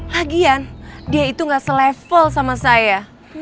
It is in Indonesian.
lagian dia itu nggak se level sama saya